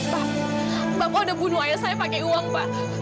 pak bapak udah bunuh ayah saya pakai uang pak